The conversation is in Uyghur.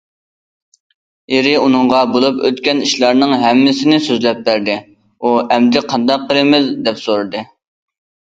ئېرى ئۇنىڭغا بولۇپ ئۆتكەن ئىشلارنىڭ ھەممىسىنى سۆزلەپ بەردى، ئۇ« ئەمدى قانداق قىلىمىز؟» دەپ سورىدى.